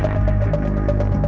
aku selalu ke sana